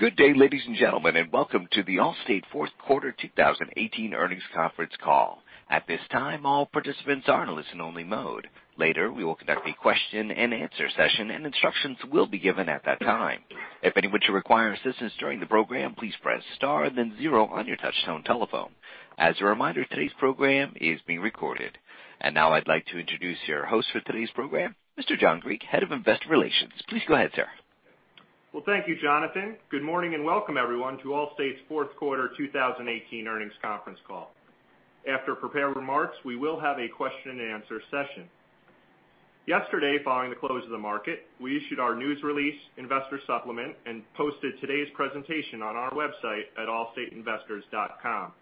Good day, ladies and gentlemen, and welcome to the Allstate fourth quarter 2018 earnings conference call. At this time, all participants are in listen only mode. Later, we will conduct a question and answer session and instructions will be given at that time. If anyone should require assistance during the program, please press star and then zero on your touchtone telephone. As a reminder, today's program is being recorded. Now I'd like to introduce your host for today's program, Mr. John Griek, Head of Investor Relations. Please go ahead, sir. Well, thank you, Jonathan. Good morning and welcome everyone to Allstate's fourth quarter 2018 earnings conference call. After prepared remarks, we will have a question and answer session. Yesterday, following the close of the market, we issued our news release investor supplement and posted today's presentation on our website at allstateinvestors.com.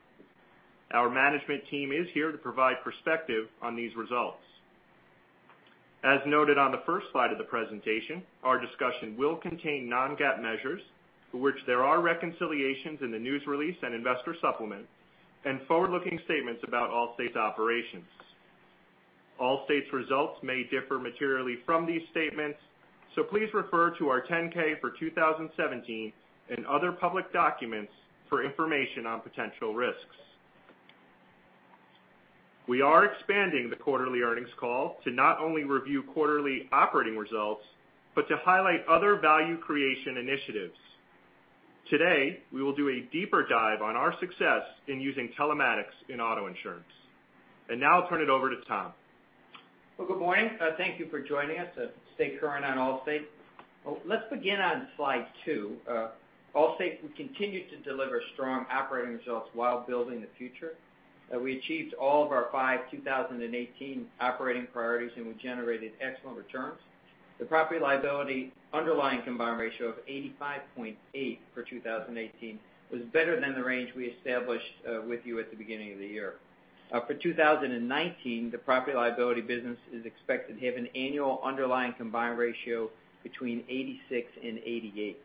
Our management team is here to provide perspective on these results. As noted on the first slide of the presentation, our discussion will contain non-GAAP measures for which there are reconciliations in the news release and investor supplement and forward-looking statements about Allstate's operations. Allstate's results may differ materially from these statements, please refer to our 10-K for 2017 and other public documents for information on potential risks. We are expanding the quarterly earnings call to not only review quarterly operating results, but to highlight other value creation initiatives. Today, we will do a deeper dive on our success in using telematics in auto insurance. Now I'll turn it over to Tom. Well, good morning. Thank you for joining us to stay current on Allstate. Let's begin on slide two. Allstate continued to deliver strong operating results while building the future. We achieved all of our five 2018 operating priorities, we generated excellent returns. The property & liability underlying combined ratio of 85.8 for 2018 was better than the range we established with you at the beginning of the year. For 2019, the property & liability business is expected to have an annual underlying combined ratio between 86 and 88.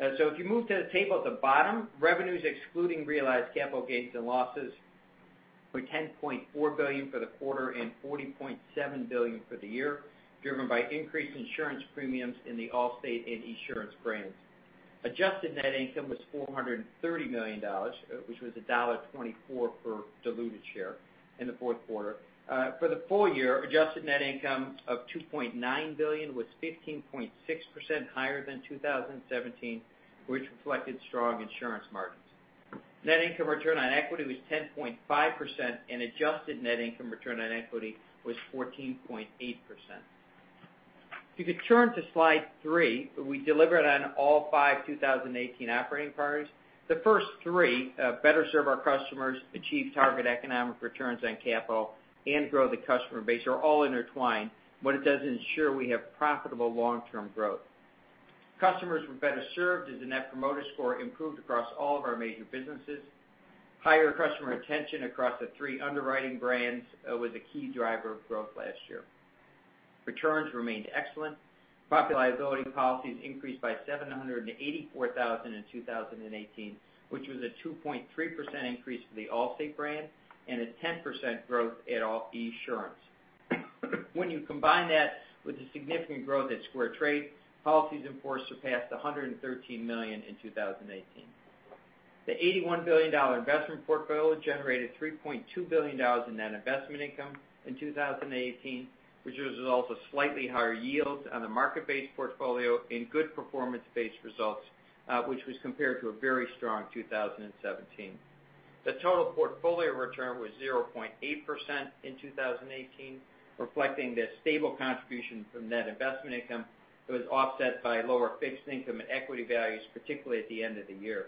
If you move to the table at the bottom, revenues excluding realized capital gains and losses were $10.4 billion for the quarter and $40.7 billion for the year, driven by increased insurance premiums in the Allstate and Esurance brands. Adjusted net income was $430 million, which was $1.24 per diluted share in the fourth quarter. For the full year, adjusted net income of $2.9 billion was 15.6% higher than 2017, which reflected strong insurance margins. Net income return on equity was 10.5%, and adjusted net income return on equity was 14.8%. If you could turn to slide three, we delivered on all five 2018 operating priorities. The first three, better serve our customers, achieve target economic returns on capital, and grow the customer base, are all intertwined. What it does is ensure we have profitable long-term growth. Customers were better served as the Net Promoter Score improved across all of our major businesses. Higher customer retention across the three underwriting brands was a key driver of growth last year. Returns remained excellent. Property & liability policies increased by 784,000 in 2018, which was a 2.3% increase for the Allstate brand and a 10% growth at Esurance. When you combine that with the significant growth at SquareTrade, policies in force surpassed 113 million in 2018. The $81 billion investment portfolio generated $3.2 billion in net investment income in 2018, which was a result of slightly higher yields on the market-based portfolio and good performance-based results, which was compared to a very strong 2017. The total portfolio return was 0.8% in 2018, reflecting the stable contribution from net investment income that was offset by lower fixed income and equity values, particularly at the end of the year.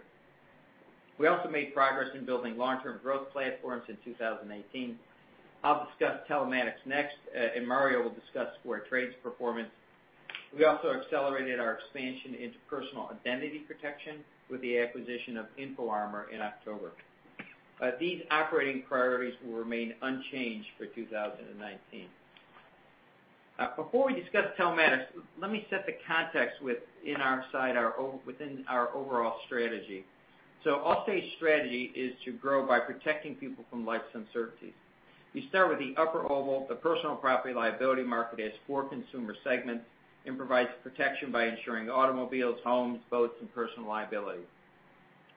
We also made progress in building long-term growth platforms in 2018. I'll discuss telematics next, and Mario will discuss SquareTrade's performance. We also accelerated our expansion into personal identity protection with the acquisition of InfoArmor in October. These operating priorities will remain unchanged for 2019. Before we discuss telematics, let me set the context within our overall strategy. Allstate's strategy is to grow by protecting people from life's uncertainties. We start with the upper oval, the personal Property & liability market has four consumer segments and provides protection by ensuring automobiles, homes, boats, and personal liability.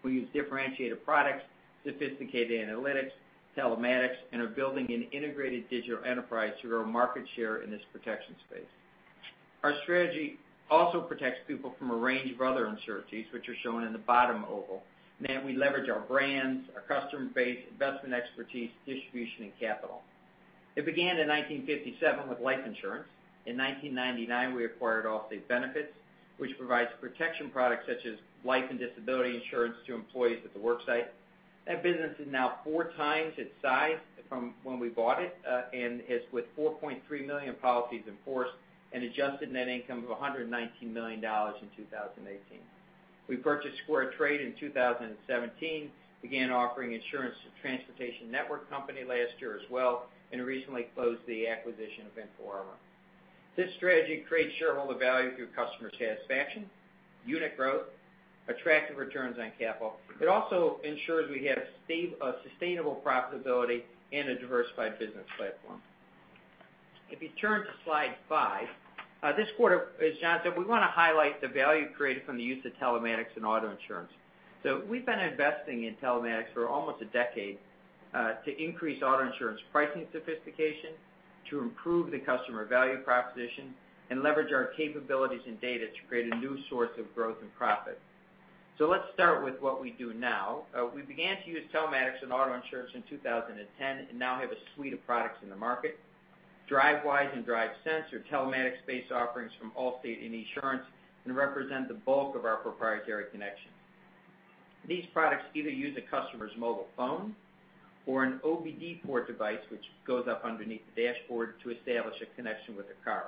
We use differentiated products, sophisticated analytics, telematics, and are building an integrated digital enterprise to grow market share in this protection space. Our strategy also protects people from a range of other uncertainties, which are shown in the bottom oval, and we leverage our brands, our customer base, investment expertise, distribution, and capital. It began in 1957 with life insurance. In 1999, we acquired Allstate Benefits, which provides protection products such as life and disability insurance to employees at the work site. That business is now four times its size from when we bought it, and is with 4.3 million policies in force, an adjusted net income of $119 million in 2018. We purchased SquareTrade in 2017, began offering insurance to Transportation Network Company last year as well, and recently closed the acquisition of InfoArmor. This strategy creates shareholder value through customer satisfaction, unit growth, attractive returns on capital. If you turn to slide five, this quarter, as John said, we want to highlight the value created from the use of telematics in auto insurance. We've been investing in telematics for almost a decade, to increase auto insurance pricing sophistication, to improve the customer value proposition, and leverage our capabilities and data to create a new source of growth and profit. Let's start with what we do now. We began to use telematics in auto insurance in 2010 and now have a suite of products in the market. Drivewise and DriveSense are telematics-based offerings from Allstate and Esurance, and represent the bulk of our proprietary connection. These products either use a customer's mobile phone or an OBD port device, which goes up underneath the dashboard to establish a connection with the car.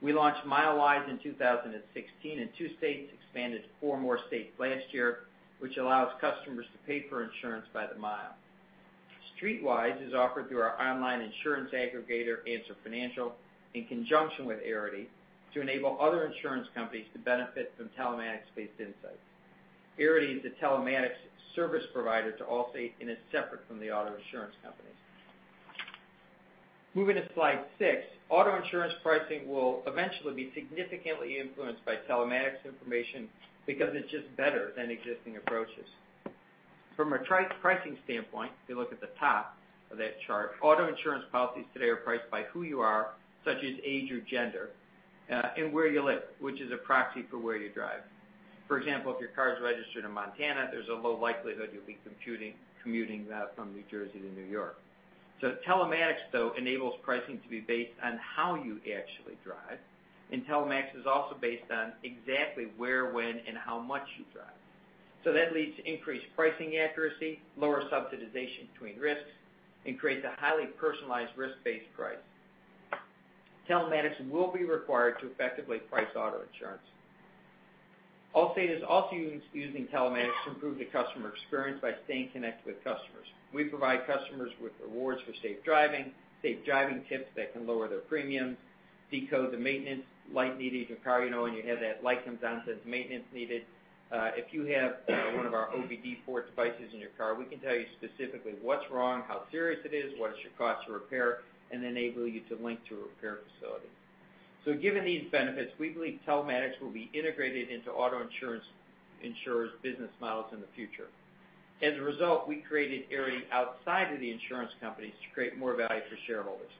We launched Milewise in 2016 in two states, expanded to four more states last year, which allows customers to pay for insurance by the mile. Streetwise is offered through our online insurance aggregator, Answer Financial, in conjunction with Arity, to enable other insurance companies to benefit from telematics-based insights. Arity is a telematics service provider to Allstate, and is separate from the auto insurance company. Moving to slide six, auto insurance pricing will eventually be significantly influenced by telematics information because it's just better than existing approaches. From a pricing standpoint, if you look at the top of that chart, auto insurance policies today are priced by who you are, such as age or gender, and where you live, which is a proxy for where you drive. For example, if your car is registered in Montana, there's a low likelihood you'll be commuting from New Jersey to New York. Telematics, though, enables pricing to be based on how you actually drive, and telematics is also based on exactly where, when, and how much you drive. That leads to increased pricing accuracy, lower subsidization between risks, and creates a highly personalized risk-based price. Telematics will be required to effectively price auto insurance. Allstate is also using telematics to improve the customer experience by staying connected with customers. We provide customers with rewards for safe driving, safe driving tips that can lower their premiums, decode the maintenance light needed in your car. When you have that light comes on that says maintenance needed, if you have one of our OBD port devices in your car, we can tell you specifically what's wrong, how serious it is, what is your cost to repair, and enable you to link to a repair facility. Given these benefits, we believe telematics will be integrated into auto insurers' business models in the future. As a result, we created Arity outside of the insurance companies to create more value for shareholders.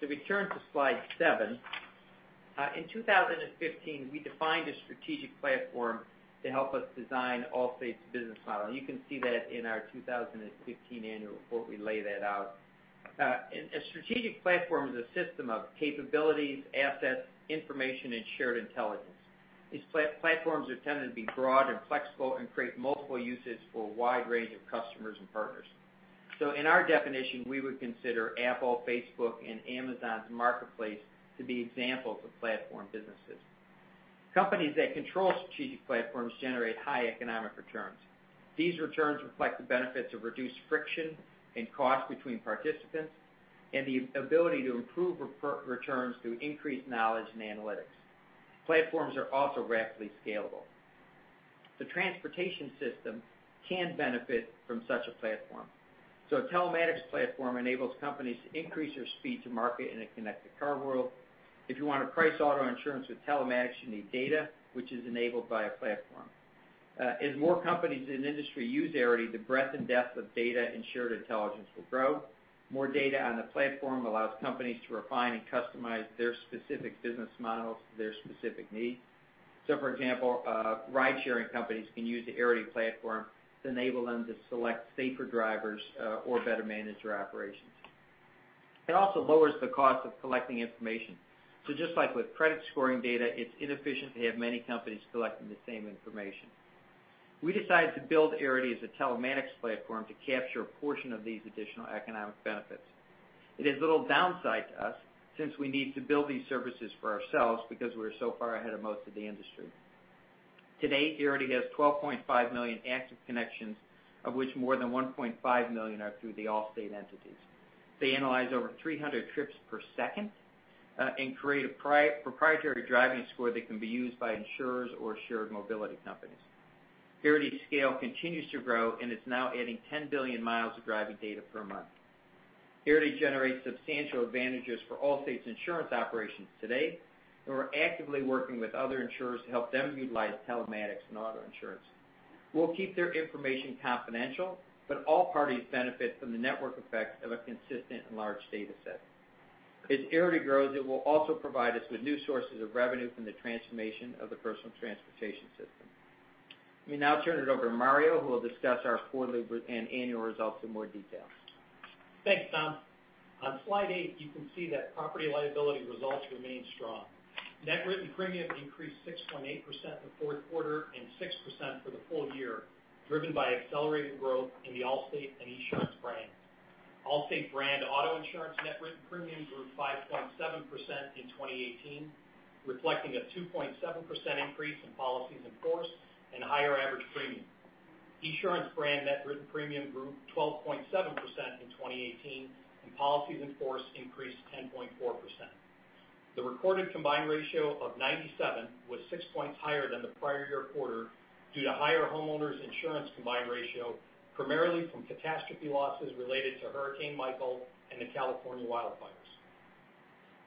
If we turn to slide seven. In 2015, we defined a strategic platform to help us design Allstate's business model. You can see that in our 2015 annual report, we lay that out. A strategic platform is a system of capabilities, assets, information, and shared intelligence. These platforms are tended to be broad and flexible and create multiple uses for a wide range of customers and partners. In our definition, we would consider Apple, Facebook, and Amazon's marketplace to be examples of platform businesses. Companies that control strategic platforms generate high economic returns. These returns reflect the benefits of reduced friction and cost between participants and the ability to improve returns through increased knowledge and analytics. Platforms are also rapidly scalable. The transportation system can benefit from such a platform. A telematics platform enables companies to increase their speed to market in a connected car world. If you want to price auto insurance with telematics, you need data, which is enabled by a platform. As more companies in the industry use Arity, the breadth and depth of data and shared intelligence will grow. More data on the platform allows companies to refine and customize their specific business models to their specific needs. For example, ride-sharing companies can use the Arity platform to enable them to select safer drivers or better manage their operations. It also lowers the cost of collecting information. Just like with credit scoring data, it's inefficient to have many companies collecting the same information. We decided to build Arity as a telematics platform to capture a portion of these additional economic benefits. It is little downside to us, since we need to build these services for ourselves because we're so far ahead of most of the industry. To date, Arity has 12.5 million active connections, of which more than 1.5 million are through the Allstate entities. They analyze over 300 trips per second and create a proprietary driving score that can be used by insurers or shared mobility companies. Arity's scale continues to grow, and it's now adding 10 billion miles of driving data per month. Arity generates substantial advantages for Allstate's insurance operations today, and we're actively working with other insurers to help them utilize telematics and auto insurance. We'll keep their information confidential, but all parties benefit from the network effect of a consistent and large data set. As Arity grows, it will also provide us with new sources of revenue from the transformation of the personal transportation system. Let me now turn it over to Mario, who will discuss our fourth quarter and annual results in more detail. Thanks, Tom. On slide eight, you can see that property liability results remain strong. Net written premium increased 6.8% in the fourth quarter and 6% for the full year, driven by accelerated growth in the Allstate and Esurance brands. Allstate brand auto insurance net written premium grew 5.7% in 2018, reflecting a 2.7% increase in policies in force and higher average premium. Esurance brand net written premium grew 12.7% in 2018, and policies in force increased 10.4%. The recorded combined ratio of 97 was six points higher than the prior year quarter due to higher homeowners insurance combined ratio, primarily from catastrophe losses related to Hurricane Michael and the California wildfires.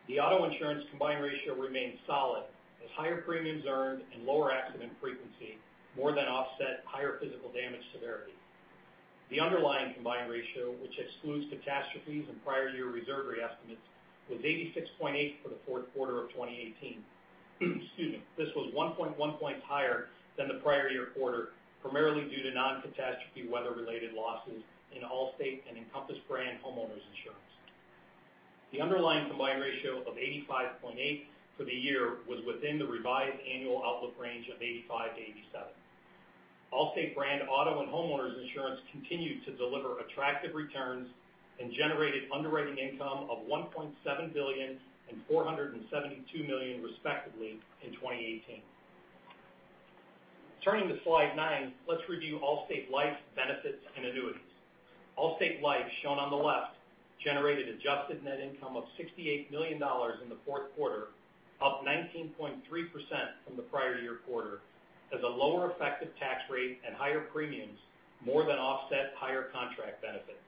The auto insurance combined ratio remained solid as higher premiums earned and lower accident frequency more than offset higher physical damage severity. The underlying combined ratio, which excludes catastrophes and prior year reserve re-estimates, was 86.8 for the fourth quarter of 2018. Excuse me. This was 1.1 points higher than the prior year quarter, primarily due to non-catastrophe weather-related losses in Allstate and Encompass brand homeowners insurance. The underlying combined ratio of 85.8 for the year was within the revised annual outlook range of 85 to 87. Allstate brand auto and homeowners insurance continued to deliver attractive returns and generated underwriting income of $1.7 billion and $472 million respectively in 2018. Turning to slide nine, let's review Allstate Life benefits and annuities. Allstate Life, shown on the left, generated adjusted net income of $68 million in the fourth quarter, up 19.3% from the prior year quarter as a lower effective tax rate and higher premiums more than offset higher contract benefits.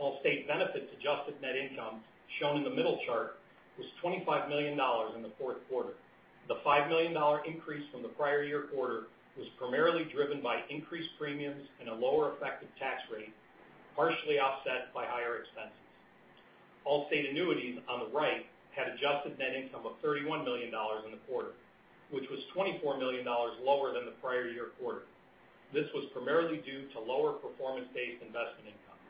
Allstate Benefits adjusted net income, shown in the middle chart, was $25 million in the fourth quarter. The $5 million increase from the prior year quarter was primarily driven by increased premiums and a lower effective tax rate, partially offset by higher expenses. Allstate Annuities, on the right, had adjusted net income of $31 million in the quarter, which was $24 million lower than the prior year quarter. This was primarily due to lower performance-based investment income.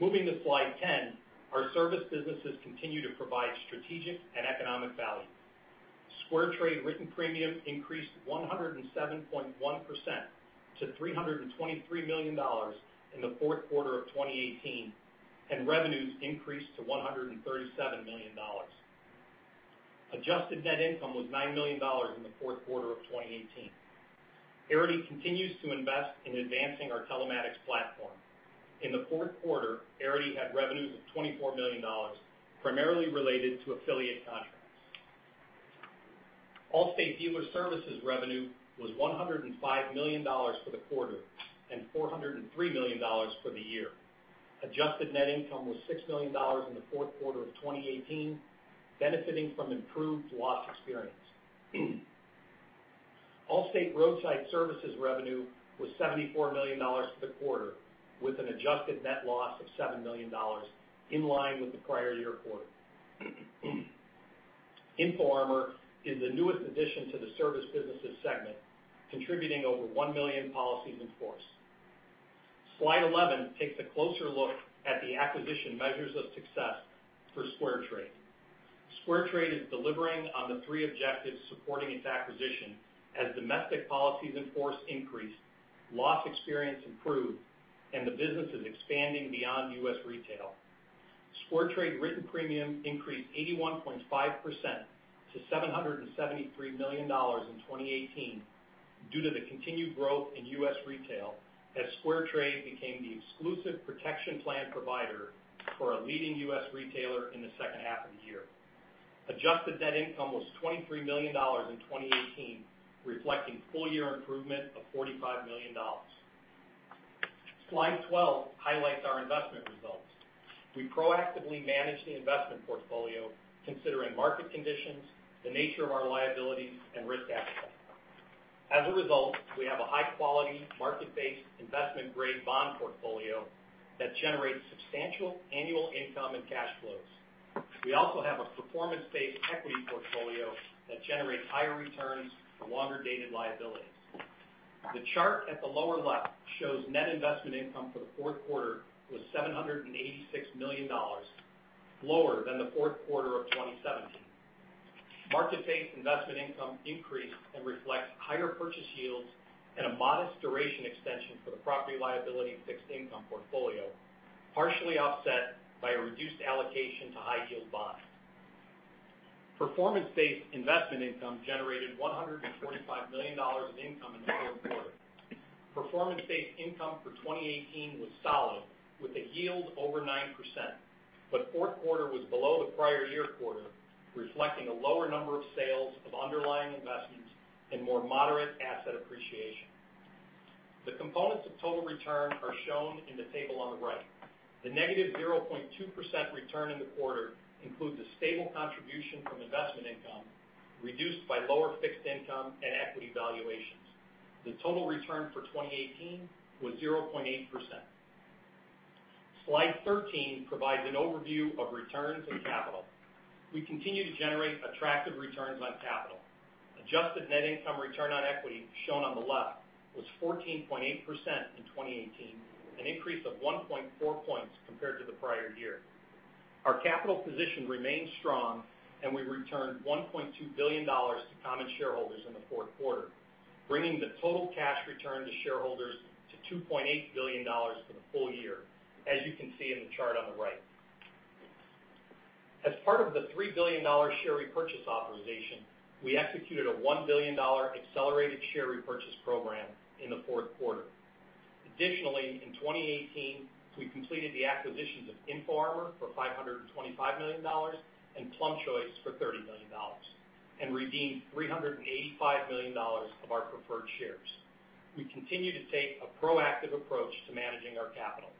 Moving to slide 10, our service businesses continue to provide strategic and economic value. SquareTrade written premium increased 107.1% to $323 million in the fourth quarter of 2018, and revenues increased to $137 million. Adjusted net income was $9 million in the fourth quarter of 2018. Arity continues to invest in advancing our telematics platform. In the fourth quarter, Arity had revenues of $24 million, primarily related to affiliate contracts. Allstate Dealer Services revenue was $105 million for the quarter and $403 million for the year. Adjusted net income was $6 million in the fourth quarter of 2018, benefiting from improved loss experience. Allstate Roadside Services revenue was $74 million for the quarter, with an adjusted net loss of $7 million, in line with the prior year quarter. InfoArmor is the newest addition to the service businesses segment, contributing over one million policies in force. Slide 11 takes a closer look at the acquisition measures of success for SquareTrade. SquareTrade is delivering on the three objectives supporting its acquisition as domestic policies in force increase, loss experience improve, and the business is expanding beyond U.S. retail. SquareTrade written premium increased 81.5% to $773 million in 2018 due to the continued growth in U.S. retail as SquareTrade became the exclusive protection plan provider for a leading U.S. retailer in the second half of the year. Adjusted net income was $23 million in 2018, reflecting full year improvement of $45 million. Slide 12 highlights our investment results. We proactively manage the investment portfolio considering market conditions, the nature of our liabilities, and risk appetite. As a result, we have a high-quality, market-based investment-grade bond portfolio that generates substantial annual income and cash flows. We also have a performance-based equity portfolio that generates higher returns for longer-dated liabilities. The chart at the lower left shows net investment income for the fourth quarter was $786 million, lower than the fourth quarter of 2017. Market-based investment income increased, reflects higher purchase yields and a modest duration extension for the property liability and fixed income portfolio, partially offset by a reduced allocation to high-yield bonds. Performance-based investment income generated $145 million in income in the fourth quarter. Performance-based income for 2018 was solid with a yield over 9%, but fourth quarter was below the prior year quarter, reflecting a lower number of sales of underlying investments and more moderate asset appreciation. The components of total return are shown in the table on the right. The -0.2% return in the quarter includes a stable contribution from investment income, reduced by lower fixed income and equity valuations. The total return for 2018 was 0.8%. Slide 13 provides an overview of returns on capital. We continue to generate attractive returns on capital. Adjusted net income return on equity, shown on the left, was 14.8% in 2018, an increase of 1.4 points compared to the prior year. Our capital position remains strong, and we returned $1.2 billion to common shareholders in the fourth quarter, bringing the total cash return to shareholders to $2.8 billion for the full year, as you can see in the chart on the right. As part of the $3 billion share repurchase authorization, we executed a $1 billion accelerated share repurchase program in the fourth quarter. Additionally, in 2018, we completed the acquisitions of InfoArmor for $525 million and PlumChoice for $30 million and redeemed $385 million of our preferred shares. We continue to take a proactive approach to managing our capital.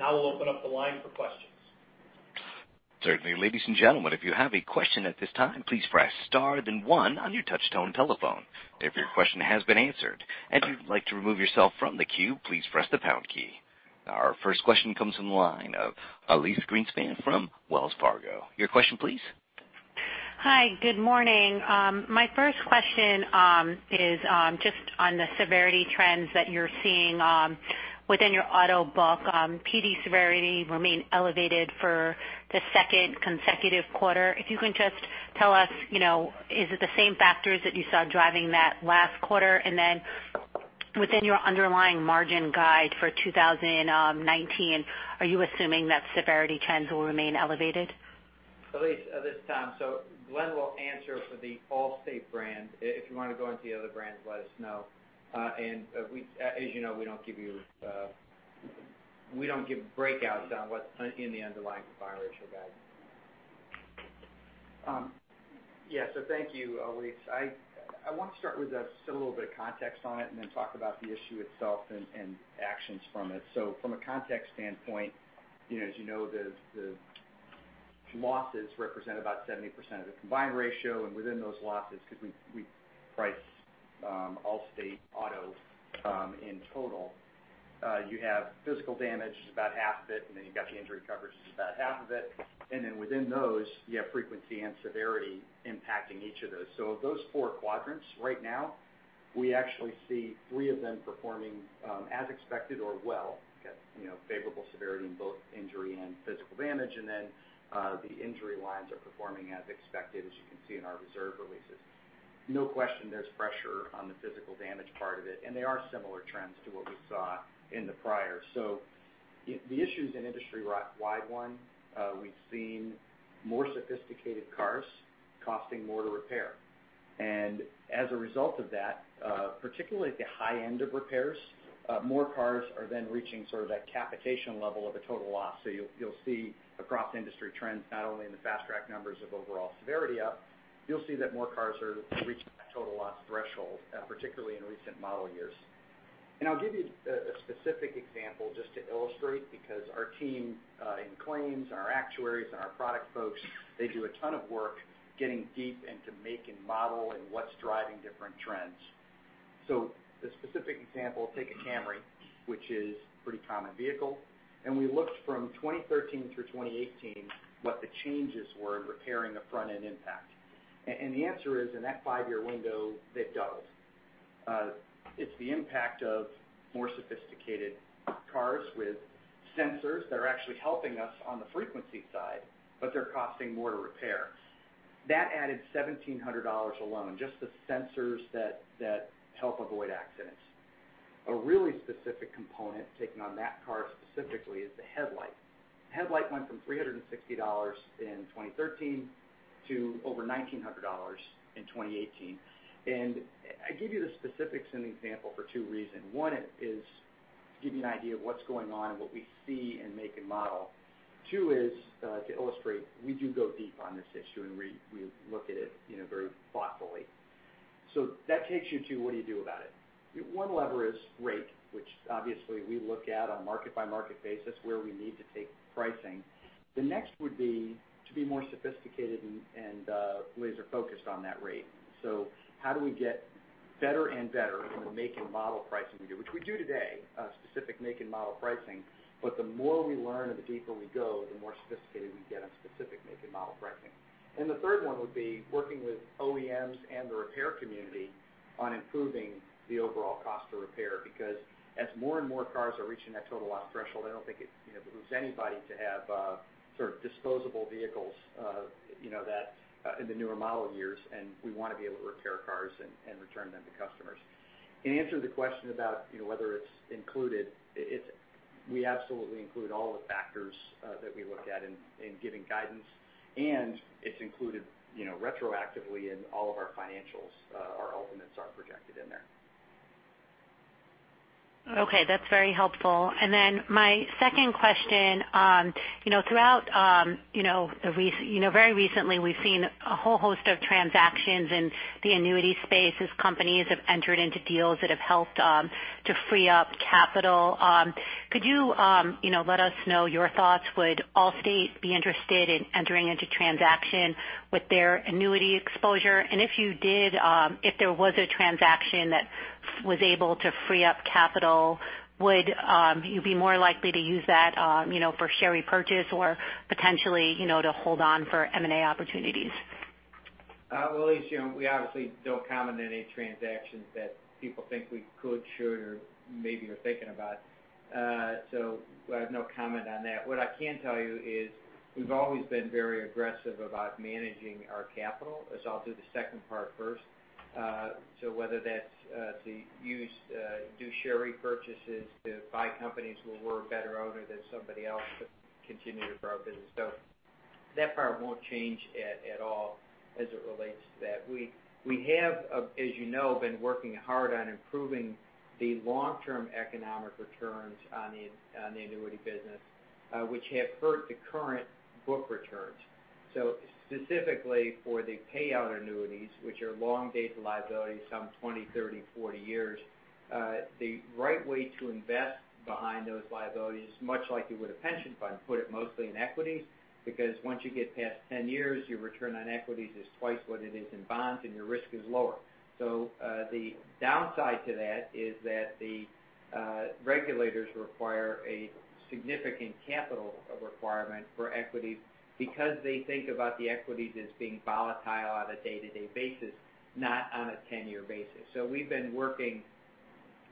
I'll open up the line for questions. Certainly. Ladies and gentlemen, if you have a question at this time, please press star then one on your touchtone telephone. If your question has been answered and you'd like to remove yourself from the queue, please press the pound key. Our first question comes from the line of Elyse Greenspan from Wells Fargo. Your question, please. Hi. Good morning. My first question is just on the severity trends that you're seeing within your auto book. PD severity remained elevated for the second consecutive quarter. If you can just tell us, is it the same factors that you saw driving that last quarter? Then within your underlying margin guide for 2019, are you assuming that severity trends will remain elevated? Elyse, this is Tom. Glenn will answer for the Allstate brand. If you want to go into the other brands, let us know. As you know, we don't give breakouts on what's in the underlying combined ratio guidance. Thank you, Elyse. I want to start with just a little bit of context on it and then talk about the issue itself and actions from it. From a context standpoint, as you know, the losses represent about 70% of the combined ratio, and within those losses, because we price Allstate auto in total, you have physical damage is about half of it, and then you've got the injury coverage, which is about half of it. Within those, you have frequency and severity impacting each of those. Of those four quadrants right now, we actually see three of them performing as expected or well. We've got favorable severity in both injury and physical damage, and then the injury lines are performing as expected, as you can see in our reserve releases. No question there's pressure on the physical damage part of it, and they are similar trends to what we saw in the prior. The issue's an industry-wide one. We've seen more sophisticated cars costing more to repair. As a result of that, particularly at the high end of repairs, more cars are then reaching that capitation level of a total loss. You'll see across industry trends, not only in the Fast Track numbers of overall severity up, you'll see that more cars are reaching that total loss threshold, particularly in recent model years. I'll give you a specific example just to illustrate, because our team in claims, and our actuaries, and our product folks, they do a ton of work getting deep into make and model and what's driving different trends. The specific example, take a Camry, which is a pretty common vehicle, and we looked from 2013-2018, what the changes were in repairing a front-end impact. The answer is, in that five-year window, it doubled. It's the impact of more sophisticated cars with sensors that are actually helping us on the frequency side, but they're costing more to repair. That added $1,700 alone, just the sensors that help avoid accidents. A really specific component taken on that car specifically is the headlight. The headlight went from $360 in 2013 to over $1,900 in 2018. I give you the specifics in the example for two reasons. One is to give you an idea of what's going on and what we see in make and model. Two is to illustrate we do go deep on this issue, and we look at it very thoughtfully. That takes you to what do you do about it? One lever is rate, which obviously we look at on a market-by-market basis, where we need to take pricing. The next would be to be more sophisticated and laser-focused on that rate. How do we get better and better in the make and model pricing we do, which we do today, specific make and model pricing. The more we learn and the deeper we go, the more sophisticated we get on specific make and model pricing. The third one would be working with OEMs and the repair community on improving the overall cost to repair, because as more and more cars are reaching that total loss threshold, I don't think it behooves anybody to have disposable vehicles in the newer model years, and we want to be able to repair cars and return them to customers. In answer to the question about whether it's included, we absolutely include all the factors that we look at in giving guidance, and it's included retroactively in all of our financials. Our alternates are projected in there. Okay, that's very helpful. My second question, very recently, we've seen a whole host of transactions in the annuity space as companies have entered into deals that have helped to free up capital. Could you let us know your thoughts? Would Allstate be interested in entering into transaction with their annuity exposure? If you did, if there was a transaction that was able to free up capital, would you be more likely to use that for share repurchase or potentially to hold on for M&A opportunities? Elyse, we obviously don't comment on any transactions that people think we could, should, or maybe are thinking about. I have no comment on that. What I can tell you is we've always been very aggressive about managing our capital. I'll do the second part first. Whether that's to do share repurchases, to buy companies where we're a better owner than somebody else, to continue to grow our business. That part won't change at all as it relates to that. We have, as you know, been working hard on improving the long-term economic returns on the annuity business, which have hurt the current book returns. Specifically for the payout annuities, which are long-dated liabilities, some 20, 30, 40 years, the right way to invest behind those liabilities is much like you would a pension fund, put it mostly in equities, because once you get past 10 years, your return on equities is twice what it is in bonds, and your risk is lower. The downside to that is that the regulators require a significant capital requirement for equities because they think about the equities as being volatile on a day-to-day basis, not on a 10-year basis. We've been working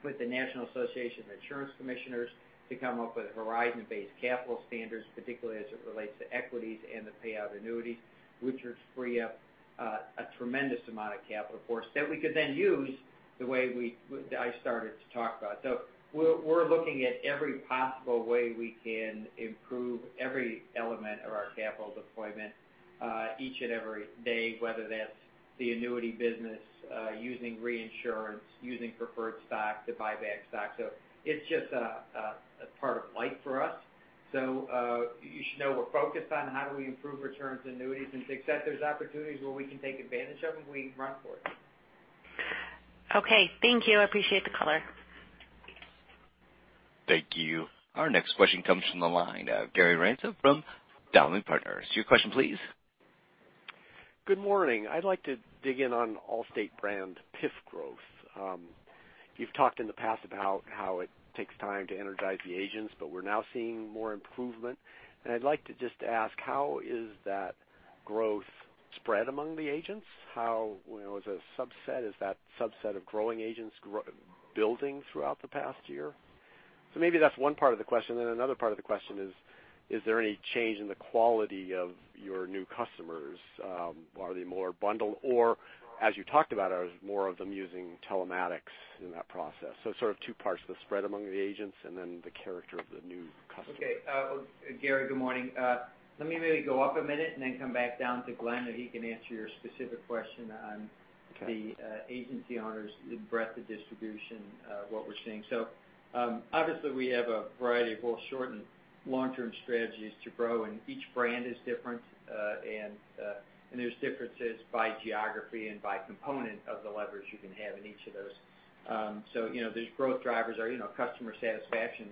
with the National Association of Insurance Commissioners to come up with horizon-based capital standards, particularly as it relates to equities and the payout annuities, which would free up a tremendous amount of capital for us that we could then use the way I started to talk about. We're looking at every possible way we can improve every element of our capital deployment each and every day, whether that's the annuity business, using reinsurance, using preferred stock to buy back stock. It's just a part of life for us. You should know we're focused on how do we improve returns, annuities, and to the extent there's opportunities where we can take advantage of them, we run for it. Okay. Thank you. I appreciate the color. Thank you. Our next question comes from the line of Gary Ransom from Dowling & Partners. Your question, please. Good morning. I'd like to dig in on Allstate brand PIF growth. You've talked in the past about how it takes time to energize the agents, but we're now seeing more improvement. I'd like to just ask, how is that growth spread among the agents? Is that subset of growing agents building throughout the past year? Maybe that's one part of the question. Another part of the question is there any change in the quality of your new customers? Are they more bundled or, as you talked about, are more of them using telematics in that process? Sort of two parts, the spread among the agents and then the character of the new customer. Gary, good morning. Let me maybe go up a minute and then come back down to Glenn, and he can answer your specific question on- Okay the agency owners, the breadth of distribution, what we're seeing. Obviously we have a variety of both short and long-term strategies to grow, and each brand is different. There's differences by geography and by component of the leverage you can have in each of those. Those growth drivers are customer satisfaction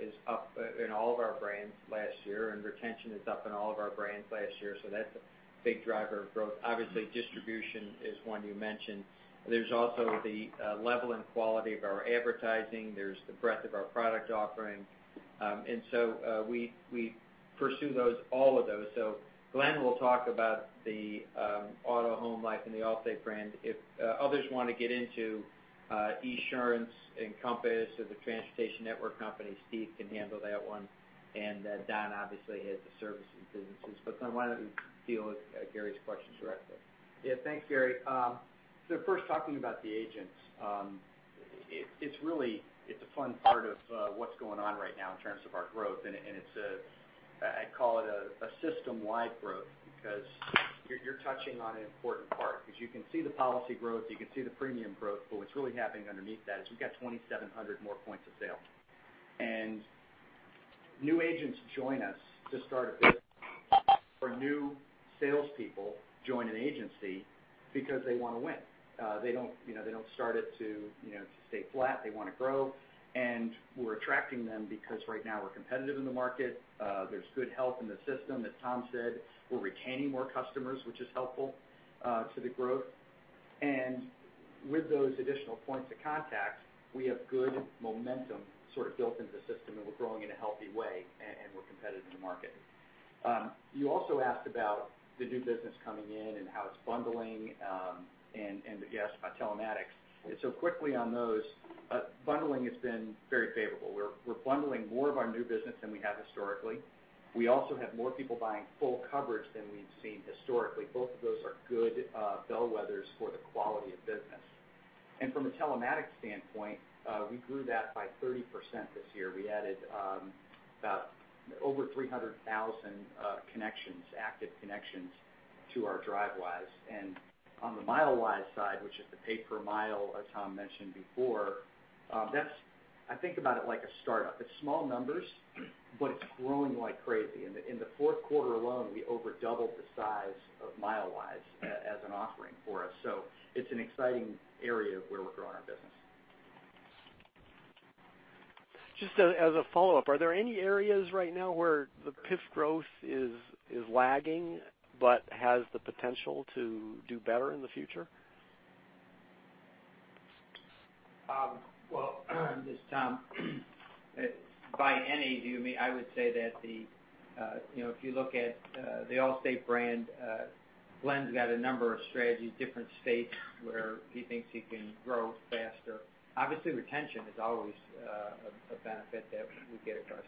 is up in all of our brands last year, and retention is up in all of our brands last year. That's a big driver of growth. Obviously, distribution is one you mentioned. There's also the level and quality of our advertising. There's the breadth of our product offering. We pursue all of those. Glenn will talk about the auto, home life in the Allstate brand. If others want to get into Esurance, Encompass, or the Transportation Network Company, Steve can handle that one. Don obviously heads the services businesses. Glenn, why don't you deal with Gary's questions directly? Thanks, Gary. First talking about the agents. It's a fun part of what's going on right now in terms of our growth, and I call it a system-wide growth because you're touching on an important part because you can see the policy growth, you can see the premium growth, but what's really happening underneath that is we've got 2,700 more points of sale. New agents join us to start a business or new salespeople join an agency because they want to win. They don't start it to stay flat. They want to grow. We're attracting them because right now we're competitive in the market. There's good health in the system, as Tom said. We're retaining more customers, which is helpful to the growth. With those additional points of contact, we have good momentum sort of built into the system, and we're growing in a healthy way, and we're competitive in the market. You also asked about the new business coming in and how it's bundling, and you asked about telematics. Quickly on those, bundling has been very favorable. We're bundling more of our new business than we have historically. We also have more people buying full coverage than we've seen historically. Both of those are good bellwethers for the quality of business. From a telematics standpoint, we grew that by 30% this year. We added about over 300,000 active connections to our Drivewise. On the Milewise side, which is the pay per mile, as Tom mentioned before, I think about it like a startup. It's small numbers, but it's growing like crazy. In the fourth quarter alone, we over doubled the size of Milewise as an offering for us. It's an exciting area where we're growing our business. Just as a follow-up, are there any areas right now where the PIF growth is lagging but has the potential to do better in the future? Well, this is Tom. I would say that if you look at the Allstate brand, Glenn's got a number of strategies, different states where he thinks he can grow faster. Obviously, retention is always a benefit that we get across.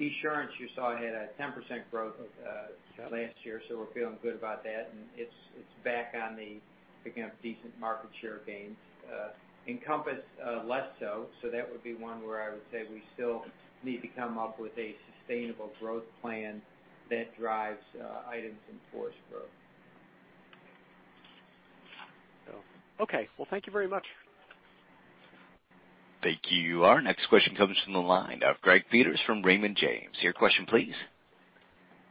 Esurance, you saw, had a 10% growth last year, so we're feeling good about that, and it's back on the picking up decent market share gains. Encompass, less so. That would be one where I would say we still need to come up with a sustainable growth plan that drives items in force growth. Okay. Well, thank you very much. Thank you. Our next question comes from the line of Greg Peters from Raymond James. Your question please.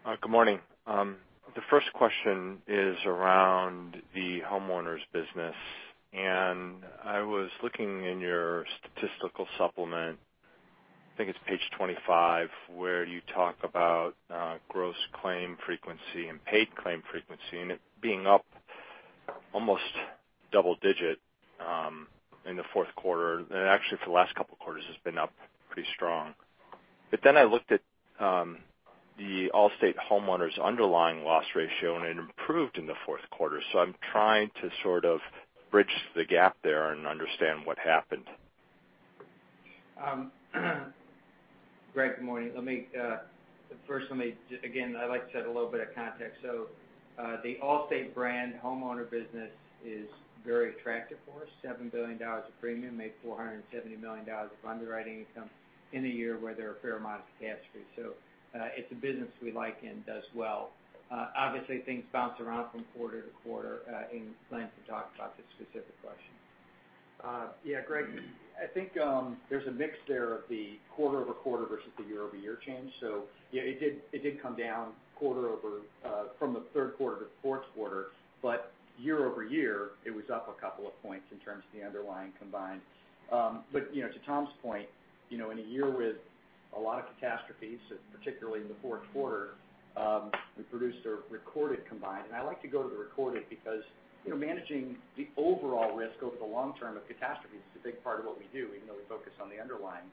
Good morning. The first question is around the homeowners business. I was looking in your statistical supplement, I think it's page 25, where you talk about gross claim frequency and paid claim frequency, and it being up almost double-digit in the fourth quarter. Actually for the last couple of quarters, it's been up pretty strong. I looked at the Allstate homeowners' underlying loss ratio, and it improved in the fourth quarter. I'm trying to sort of bridge the gap there and understand what happened. Greg, good morning. First, I'd like to set a little bit of context. The Allstate brand homeowner business is very attractive for us. $7 billion of premium, made $470 million of underwriting income in a year where there are a fair amount of catastrophes. It's a business we like and does well. Obviously, things bounce around from quarter-to-quarter. Glenn can talk about this specific question. Yeah, Greg, I think there's a mix there of the quarter-over-quarter versus the year-over-year change. It did come down from the 3rd quarter to 4th quarter, but year-over-year, it was up a couple of points in terms of the underlying combined. To Tom's point, in a year with a lot of catastrophes, particularly in the 4th quarter, we produced a recorded combined. I like to go to the recorded because managing the overall risk over the long term of catastrophes is a big part of what we do, even though we focus on the underlying.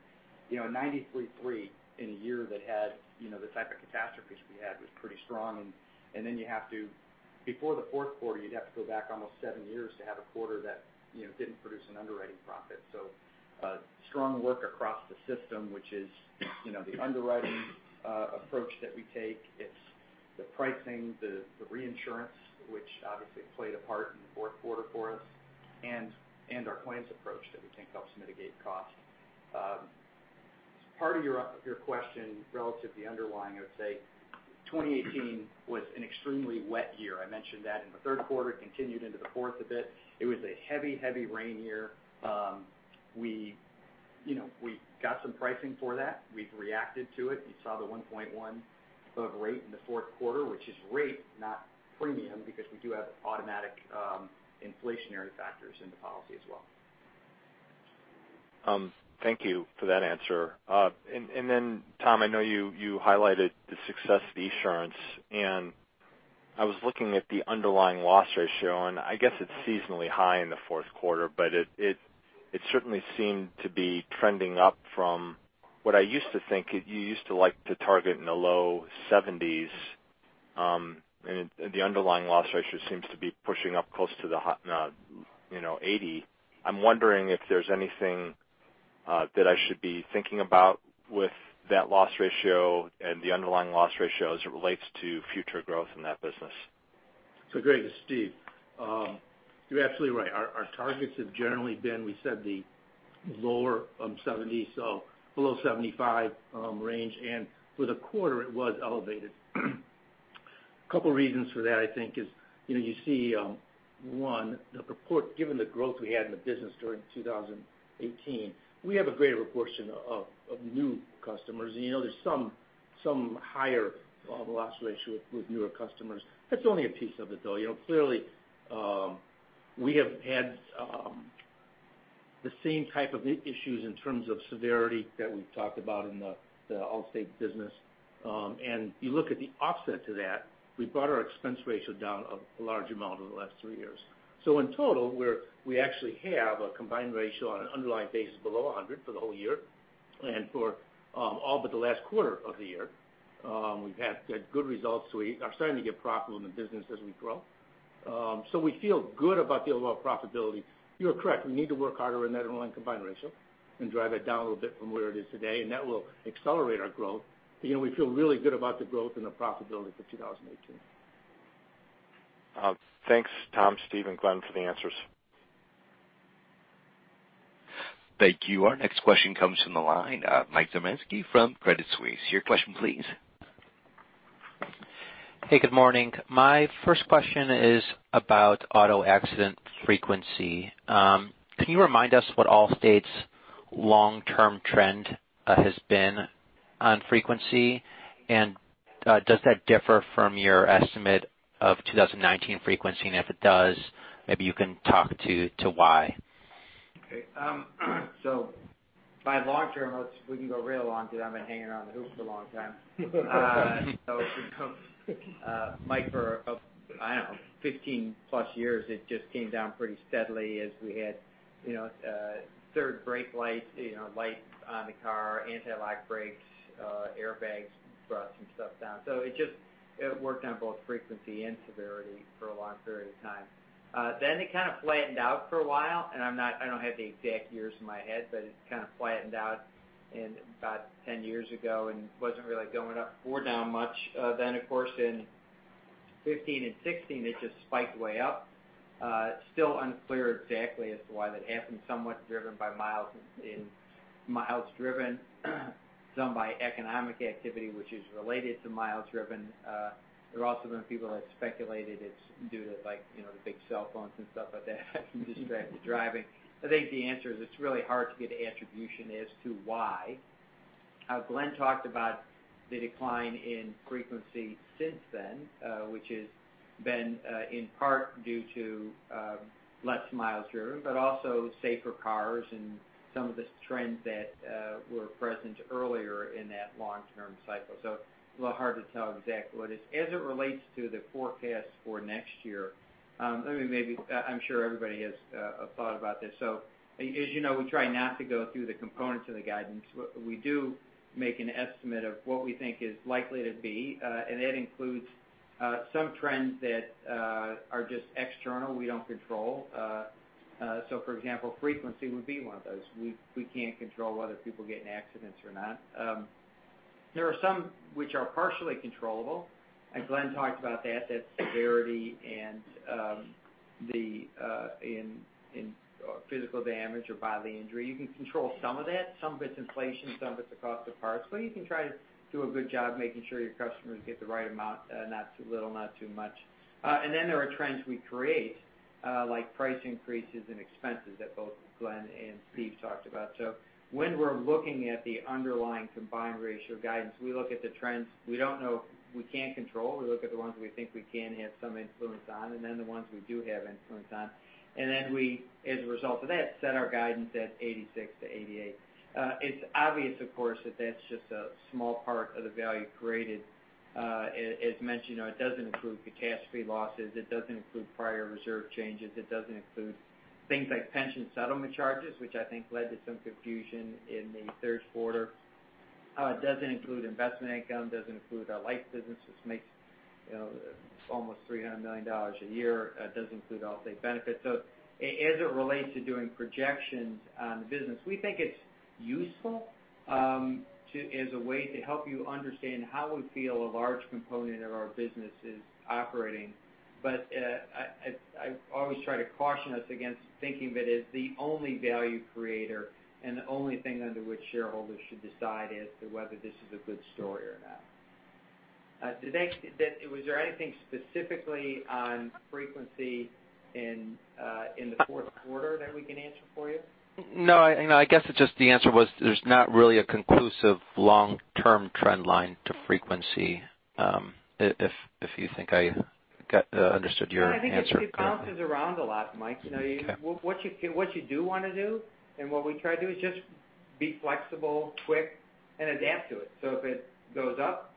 93.3 in a year that had the type of catastrophes we had was pretty strong, before the 4th quarter, you'd have to go back almost 7 years to have a quarter that didn't produce an underwriting profit. Strong work across the system, which is the underwriting approach that we take. It's the pricing, the reinsurance, which obviously played a part in the 4th quarter for us and our claims approach that we think helps mitigate costs. Part of your question relative to the underlying, I would say 2018 was an extremely wet year. I mentioned that in the 3rd quarter, continued into the 4th a bit. It was a heavy rain year. We got some pricing for that. We've reacted to it. You saw the 1.1 of rate in the 4th quarter, which is rate, not premium, because we do have automatic inflationary factors in the policy as well. Thank you for that answer. Tom, I know you highlighted the success of Esurance, I was looking at the underlying loss ratio, I guess it's seasonally high in the 4th quarter, but it certainly seemed to be trending up from what I used to think you used to like to target in the low 70s. The underlying loss ratio seems to be pushing up close to the 80. I'm wondering if there's anything that I should be thinking about with that loss ratio and the underlying loss ratio as it relates to future growth in that business. Greg, it's Steve. You're absolutely right. Our targets have generally been, we said the lower of 70, below 75 range. For the quarter, it was elevated. A couple reasons for that, I think is, you see 1, given the growth we had in the business during 2018, we have a greater proportion of new customers, and there's some higher loss ratio with newer customers. That's only a piece of it, though. Clearly, we have had the same type of issues in terms of severity that we've talked about in the Allstate business. You look at the offset to that, we brought our expense ratio down a large amount over the last 3 years. In total, we actually have a combined ratio on an underlying basis below 100 for the whole year. For all but the last quarter of the year, we've had good results. We are starting to get profitable in the business as we grow. We feel good about the overall profitability. You're correct. We need to work harder in that underlying combined ratio and drive it down a little bit from where it is today, and that will accelerate our growth. We feel really good about the growth and the profitability for 2018. Thanks, Tom, Steve, and Glenn, for the answers. Thank you. Our next question comes from the line of Mike Zaremski from Credit Suisse. Your question, please. Hey, good morning. My first question is about auto accident frequency. Can you remind us what Allstate's long-term trend has been on frequency, and does that differ from your estimate of 2019 frequency? If it does, maybe you can talk to why. Okay. By long-term, we can go real long because I've been hanging around the hoop for a long time. Mike, for, I don't know, 15-plus years, it just came down pretty steadily as we had third brake lights on the car, anti-lock brakes, airbags brought some stuff down. It worked on both frequency and severity for a long period of time. It kind of flattened out for a while, and I don't have the exact years in my head, but it kind of flattened out in about 10 years ago and wasn't really going up or down much. Of course, in 2015 and 2016, it just spiked way up. Still unclear exactly as to why that happened, somewhat miles driven, some by economic activity, which is related to miles driven. There have also been people that speculated it's due to the big cell phones and stuff like that, distracted driving. I think the answer is it's really hard to get attribution as to why. Glenn talked about the decline in frequency since then, which has been in part due to less miles driven, but also safer cars and some of the trends that were present earlier in that long-term cycle. A little hard to tell exactly what it is. As it relates to the forecast for next year, I'm sure everybody has a thought about this. As you know, we try not to go through the components of the guidance. We do make an estimate of what we think is likely to be, and that includes some trends that are just external, we don't control. For example, frequency would be one of those. We can't control whether people get in accidents or not. There are some which are partially controllable, and Glenn talked about that severity and the physical damage or bodily injury. You can control some of that. Some of it's inflation, some of it's the cost of parts. You can try to do a good job making sure your customers get the right amount, not too little, not too much. There are trends we create, like price increases and expenses that both Glenn and Steven talked about. When we're looking at the underlying combined ratio guidance, we look at the trends we can't control. We look at the ones we think we can have some influence on, and then the ones we do have influence on. We, as a result of that, set our guidance at 86%-88%. It's obvious, of course, that that's just a small part of the value created. As mentioned, it doesn't include catastrophe losses. It doesn't include prior reserve changes. It doesn't include things like pension settlement charges, which I think led to some confusion in the third quarter. It doesn't include investment income, it doesn't include our life business, which makes almost $300 million a year. It doesn't include Allstate Benefits. As it relates to doing projections on the business, we think it's useful as a way to help you understand how we feel a large component of our business is operating. I always try to caution us against thinking that it's the only value creator and the only thing under which shareholders should decide as to whether this is a good story or not. Was there anything specifically on frequency in the fourth quarter that we can answer for you? No. I guess it's just the answer was there's not really a conclusive long-term trend line to frequency, if you think I understood your answer correctly. No, I think it just bounces around a lot, Mike. Okay. What you do want to do and what we try to do is just be flexible, quick, and adapt to it. If it goes up,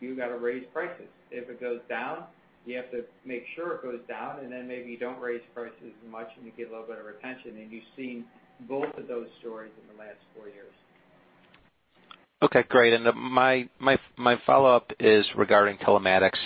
you've got to raise prices. If it goes down, you have to make sure it goes down, and then maybe you don't raise prices as much and you get a little better retention. You've seen both of those stories in the last four years. Okay, great. My follow-up is regarding telematics.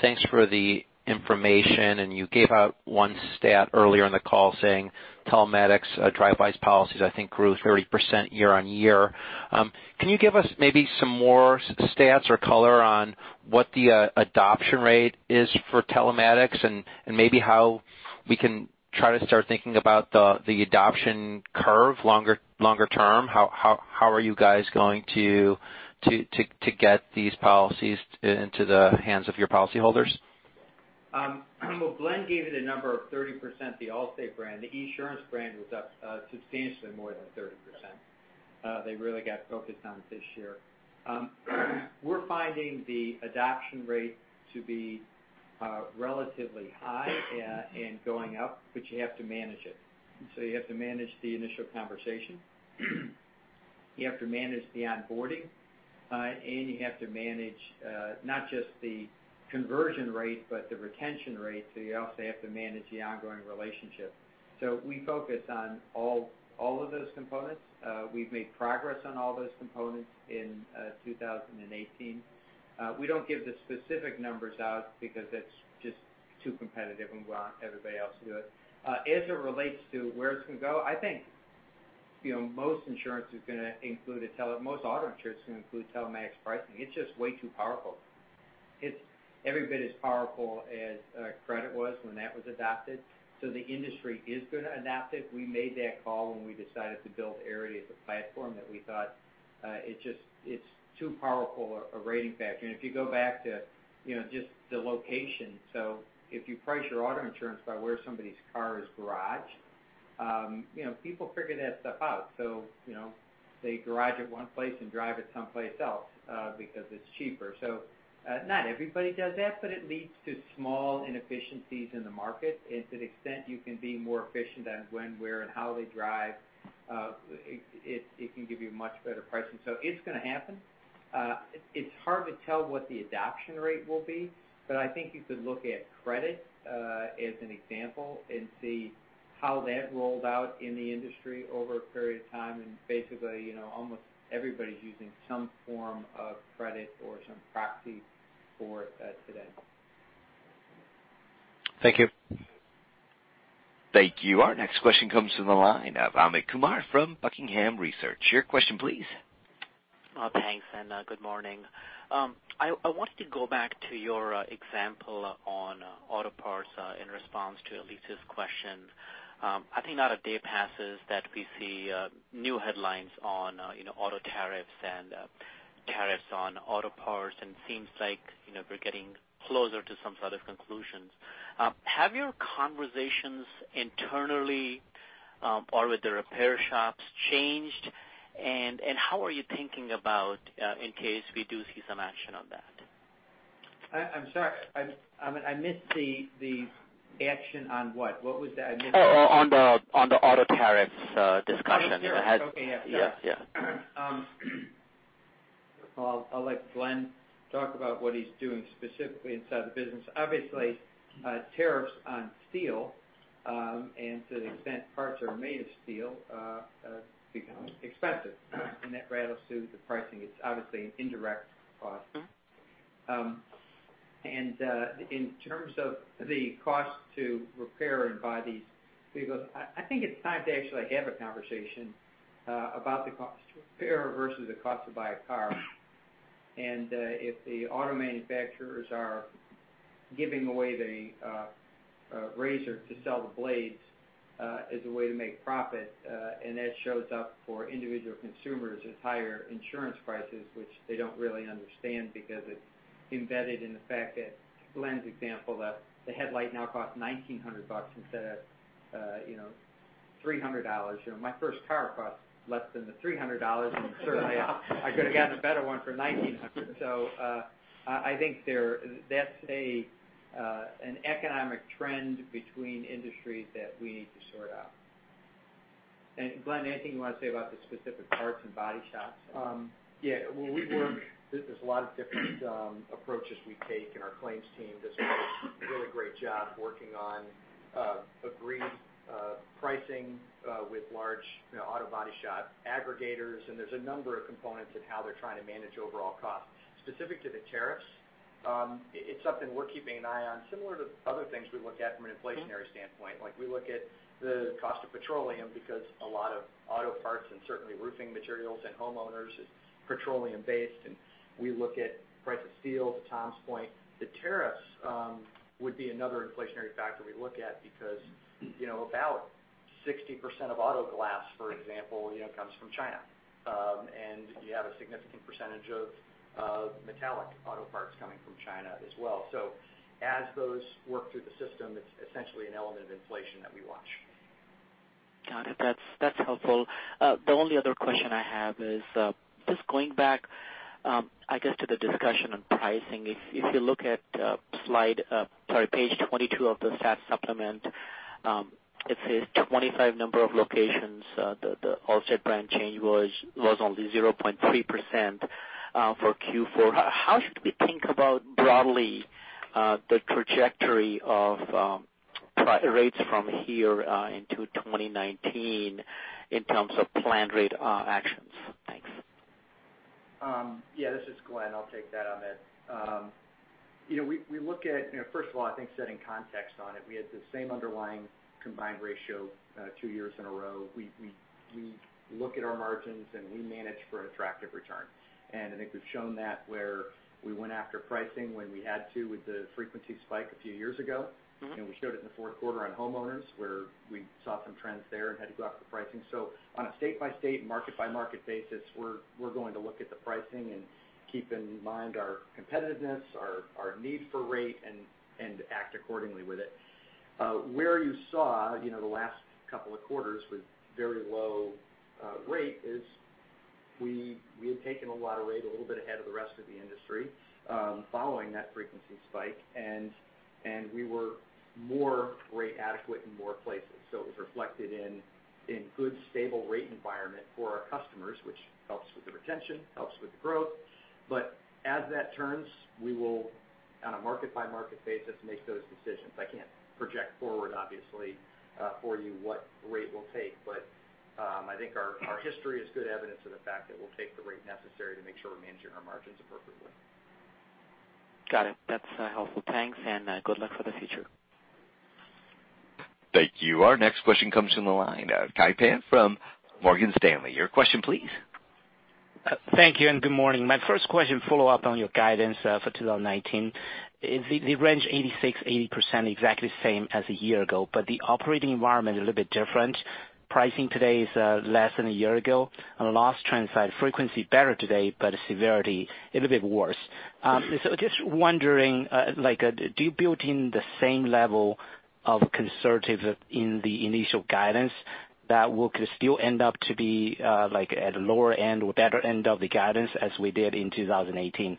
Thanks for the information, and you gave out one stat earlier in the call saying telematics, Drivewise policies, I think grew 30% year-over-year. Can you give us maybe some more stats or color on what the adoption rate is for telematics and maybe how we can try to start thinking about the adoption curve longer term? How are you guys going to get these policies into the hands of your policyholders? Glenn gave it a number of 30%, the Allstate brand. The Esurance brand was up substantially more than 30%. They really got focused on it this year. We're finding the adoption rate to be relatively high and going up, but you have to manage it. You have to manage the initial conversation, you have to manage the onboarding, and you have to manage, not just the conversion rate, but the retention rate. You also have to manage the ongoing relationship. We focus on all of those components. We've made progress on all those components in 2018. We don't give the specific numbers out because it's just too competitive, and we want everybody else to do it. As it relates to where it's going to go, I think most auto insurance is going to include telematics pricing. It's just way too powerful. It's every bit as powerful as credit was when that was adopted. The industry is going to adopt it. We made that call when we decided to build Arity as a platform that we thought it's too powerful a rating factor. If you go back to just the location, if you price your auto insurance by where somebody's car is garaged, people figure that stuff out. They garage it one place and drive it someplace else because it's cheaper. Not everybody does that, but it leads to small inefficiencies in the market. To the extent you can be more efficient on when, where, and how they drive, it can give you much better pricing. It's going to happen. It's hard to tell what the adoption rate will be, but I think you could look at credit as an example and see how that rolled out in the industry over a period of time. Basically, almost everybody's using some form of credit or some proxy for it today. Thank you. Thank you. Our next question comes from the line of Amit Kumar from Buckingham Research. Your question, please. Thanks. Good morning. I wanted to go back to your example on auto parts in response to Elyse's question. I think not a day passes that we see new headlines on auto tariffs and tariffs on auto parts. Seems like we're getting closer to some sort of conclusions. Have your conversations internally or with the repair shops changed? How are you thinking about in case we do see some action on that? I'm sorry. I missed the action on what? What was that? I missed it. On the auto tariffs discussion. Auto tariffs. Okay, yes. Yeah. I'll let Glenn talk about what he's doing specifically inside the business. Obviously, tariffs on steel, and to the extent parts are made of steel, becomes expensive. That rattles through the pricing. It's obviously an indirect cost. In terms of the cost to repair and buy these vehicles, I think it's time to actually have a conversation about the cost to repair versus the cost to buy a car. If the auto manufacturers are giving away the razor to sell the blades as a way to make profit, and that shows up for individual consumers as higher insurance prices, which they don't really understand because it's embedded in the fact that Glenn's example that the headlight now costs $1,900 instead of $300. My first car cost less than the $300, certainly I could've gotten a better one for $1,900. I think that's an economic trend between industries that we need to sort out. Glenn, anything you want to say about the specific parts and body shops? Yeah. There's a lot of different approaches we take, and our claims team does a really great job working on agreed pricing with large auto body shop aggregators, and there's a number of components in how they're trying to manage overall cost. Specific to the tariffs, it's something we're keeping an eye on, similar to other things we look at from an inflationary standpoint. Like, we look at the cost of petroleum because a lot of auto parts and certainly roofing materials and homeowners is petroleum based, and we look at price of steel, to Tom's point. The tariffs would be another inflationary factor we look at because about 60% of auto glass, for example, comes from China. You have a significant percentage of metallic auto parts coming from China as well. As those work through the system, it's essentially an element of inflation that we watch. Got it. That's helpful. The only other question I have is just going back, I guess to the discussion on pricing. If you look at page 22 of the stat supplement, it says 25 number of locations, the Allstate brand change was only 0.3% for Q4. How should we think about broadly the trajectory of rates from here into 2019 in terms of planned rate actions? Thanks. Yeah, this is Glenn. I'll take that, Amit. First of all, I think setting context on it, we had the same underlying combined ratio two years in a row. We look at our margins, and we manage for attractive return. I think we've shown that where we went after pricing when we had to with the frequency spike a few years ago. We showed it in the fourth quarter on homeowners, where we saw some trends there and had to go after pricing. On a state-by-state and market-by-market basis, we're going to look at the pricing and keep in mind our competitiveness, our need for rate, and act accordingly with it. Where you saw the last couple of quarters with very low rate is we had taken a lot of rate a little bit ahead of the rest of the industry following that frequency spike, and we were more rate adequate in more places. It was reflected in good, stable rate environment for our customers, which helps with the retention, helps with growth. As that turns, we will on a market-by-market basis, make those decisions. I can't project forward obviously for you what rate we'll take, but I think our history is good evidence of the fact that we'll take the rate necessary to make sure we're managing our margins appropriately. Got it. That's helpful. Thanks, and good luck for the future. Thank you. Our next question comes from the line, Kai Pan from Morgan Stanley. Your question please? Thank you and good morning. My first question follow up on your guidance for 2019. The range 86%-80% exactly the same as a year ago, but the operating environment is a little bit different. Pricing today is less than a year ago, and loss trend side frequency better today, but severity a little bit worse. Just wondering, do you build in the same level of conservative in the initial guidance that will still end up to be at lower end or better end of the guidance as we did in 2018?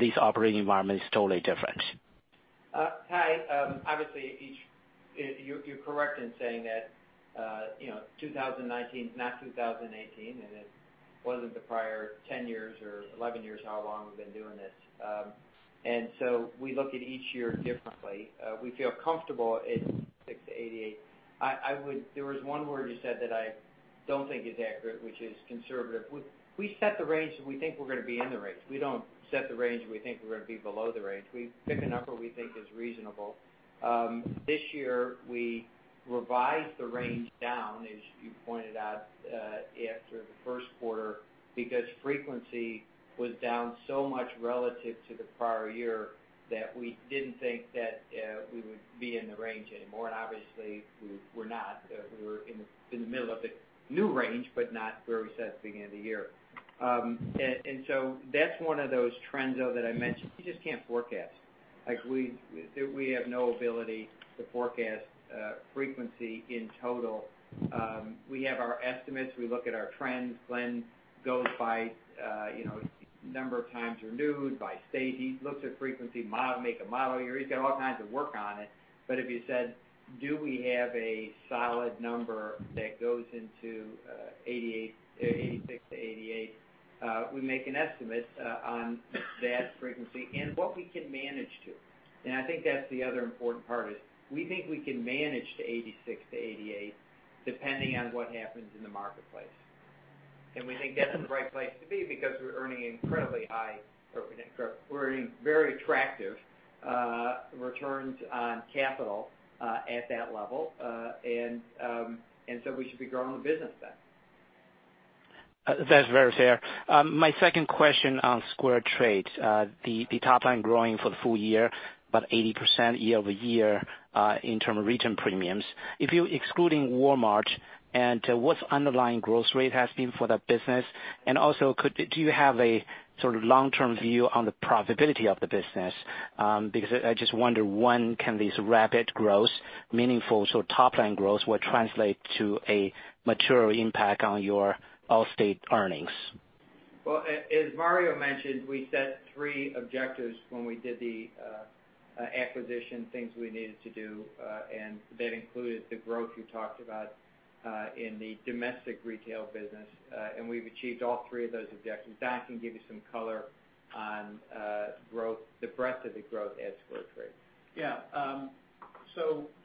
This operating environment is totally different? Kai, obviously, you're correct in saying that 2019 is not 2018, Wasn't the prior 10 years or 11 years, how long we've been doing this. We look at each year differently. We feel comfortable at 86 to 88. There was one word you said that I don't think is accurate, which is conservative. We set the range that we think we're going to be in the range. We don't set the range where we think we're going to be below the range. We pick a number we think is reasonable. This year, we revised the range down, as you pointed out, after the first quarter because frequency was down so much relative to the prior year that we didn't think that we would be in the range anymore. Obviously, we're not. We were in the middle of the new range, but not where we sat at the beginning of the year. That's one of those trends, though, that I mentioned, you just can't forecast. We have no ability to forecast frequency in total. We have our estimates. We look at our trends. Glenn goes by number of times renewed by state. He looks at frequency, make a model year. He's got all kinds of work on it. If you said, do we have a solid number that goes into 86 to 88? We make an estimate on that frequency and what we can manage to. I think that's the other important part is we think we can manage to 86 to 88, depending on what happens in the marketplace. We think that's the right place to be because we're earning incredibly high, or we're earning very attractive returns on capital at that level. We should be growing the business then. That's very fair. My second question on SquareTrade, the top line growing for the full year, about 80% year-over-year in term of return premiums. If you're excluding Walmart, and what's underlying growth rate has been for that business, and also do you have a sort of long-term view on the profitability of the business? I just wonder, one, can this rapid growth, meaningful top line growth, will translate to a material impact on your Allstate earnings? As Mario mentioned, we set three objectives when we did the acquisition, things we needed to do, and that included the growth you talked about, in the domestic retail business. We've achieved all three of those objectives. Don can give you some color on the breadth of the growth at SquareTrade.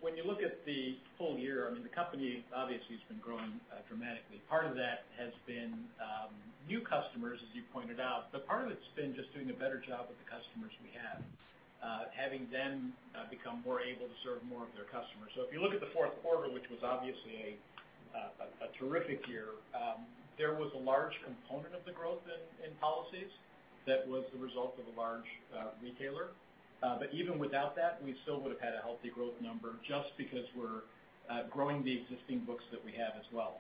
When you look at the full year, the company obviously has been growing dramatically. Part of that has been new customers, as you pointed out, but part of it's been just doing a better job with the customers we have. Having them become more able to serve more of their customers. If you look at the fourth quarter, which was obviously a terrific year, there was a large component of the growth in policies that was the result of a large retailer. Even without that, we still would have had a healthy growth number just because we're growing the existing books that we have as well.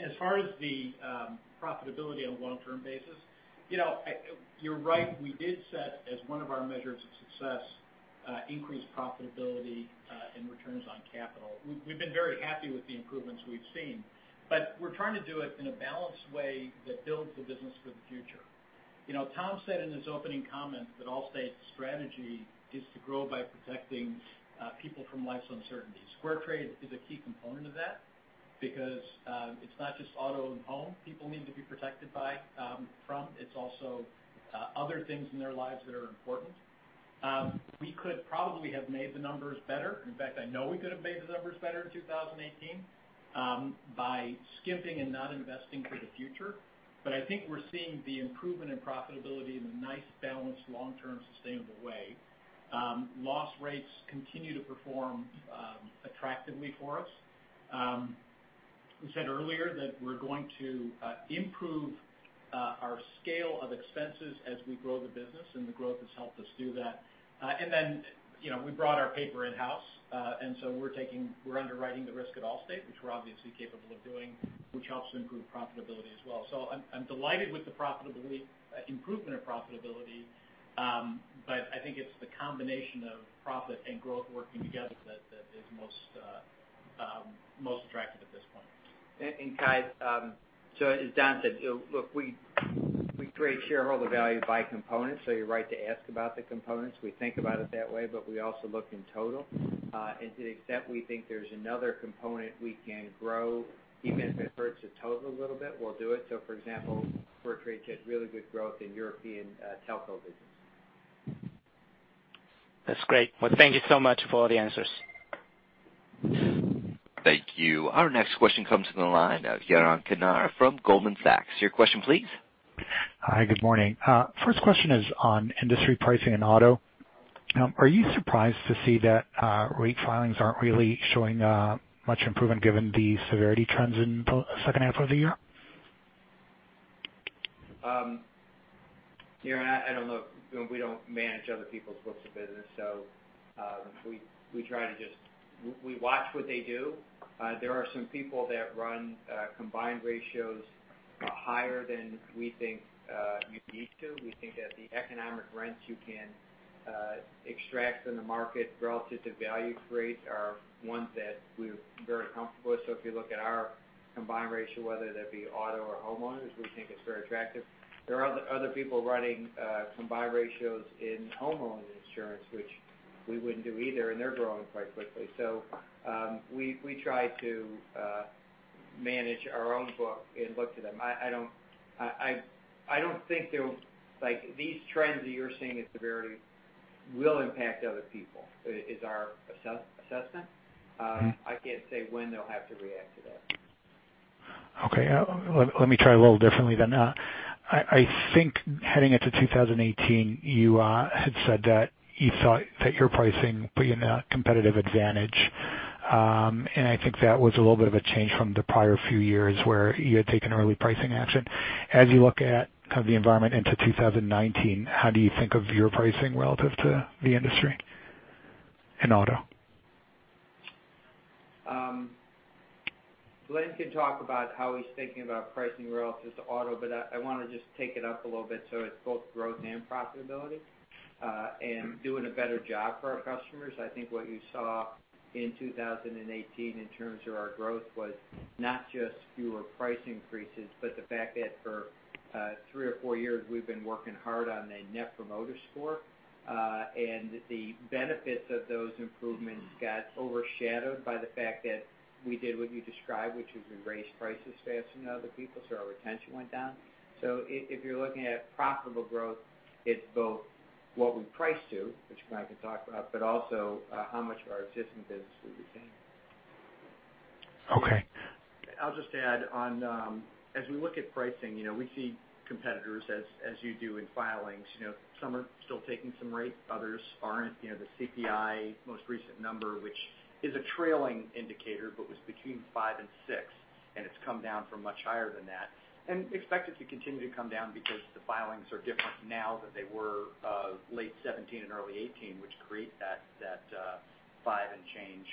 As far as the profitability on a long-term basis, you're right, we did set as one of our measures of success, increased profitability, and returns on capital. We've been very happy with the improvements we've seen, we're trying to do it in a balanced way that builds the business for the future. Tom said in his opening comments that Allstate's strategy is to grow by protecting people from life's uncertainties. SquareTrade is a key component of that because, it's not just auto and home people need to be protected by, from, it's also other things in their lives that are important. We could probably have made the numbers better. In fact, I know we could have made the numbers better in 2018 by skimping and not investing for the future. I think we're seeing the improvement in profitability in a nice, balanced, long-term, sustainable way. Loss rates continue to perform attractively for us. We said earlier that we're going to improve our scale of expenses as we grow the business, the growth has helped us do that. We brought our paper in-house, we're underwriting the risk at Allstate, which we're obviously capable of doing, which helps improve profitability as well. I'm delighted with the improvement of profitability, I think it's the combination of profit and growth working together that is most attractive at this point. Kai, as Don said, look, we create shareholder value by component, so you're right to ask about the components. We think about it that way, we also look in total. To the extent we think there's another component we can grow, even if it hurts the total a little bit, we'll do it. For example, SquareTrade did really good growth in European telco business. That's great. Well, thank you so much for all the answers. Thank you. Our next question comes from the line of Yaron Kinar from Goldman Sachs. Your question, please. Hi, good morning. First question is on industry pricing and auto. Are you surprised to see that rate filings aren't really showing much improvement given the severity trends in the second half of the year? Yaron, I don't know. We don't manage other people's books of business. We watch what they do. There are some people that run combined ratios higher than we think you need to. We think that the economic rents you can extract in the market relative to value creates are ones that we're very comfortable with. If you look at our combined ratio, whether that be auto or homeowners, we think it's very attractive. There are other people running combined ratios in homeowners insurance, which we wouldn't do either, and they're growing quite quickly. We try to manage our own book and look to them. I don't think these trends that you're seeing in severity will impact other people, is our assessment. I can't say when they'll have to react to that. Okay. Let me try a little differently then. I think heading into 2018, you had said that you thought that your pricing put you in a competitive advantage. I think that was a little bit of a change from the prior few years, where you had taken early pricing action. As you look at the environment into 2019, how do you think of your pricing relative to the industry in auto? Glenn can talk about how he's thinking about pricing relative to auto, I want to just take it up a little bit, so it's both growth and profitability, and doing a better job for our customers. I think what you saw in 2018 in terms of our growth was not just fewer price increases, but the fact that for three or four years, we've been working hard on a Net Promoter Score. The benefits of those improvements got overshadowed by the fact that we did what you described, which is we raised prices faster than other people. Our retention went down. If you're looking at profitable growth, it's both what we price to, which Glenn can talk about, but also how much of our existing business we retain. Okay. I'll just add on, as we look at pricing, we see competitors as you do in filings. Some are still taking some rate, others aren't. The CPI most recent number, which is a trailing indicator, but was between five and six, and it's come down from much higher than that, and expect it to continue to come down because the filings are different now than they were late 2017 and early 2018, which create that five and change